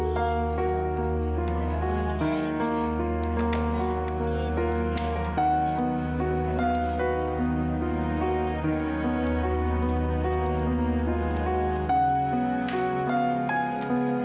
terima kasih pak